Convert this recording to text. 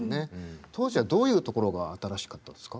当時はどういうところが新しかったですか？